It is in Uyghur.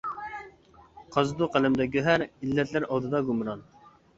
قازىدۇ قەلەمدە گۆھەر، ئىللەتلەر ئالدىدا گۇمران.